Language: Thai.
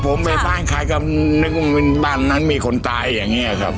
ผมไปบ้านใครก็นึกว่าบ้านนั้นมีคนตายอย่างนี้ครับ